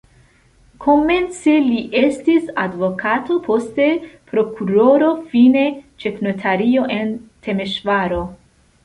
Komence li estis advokato, poste prokuroro, fine ĉefnotario en Temeŝvaro.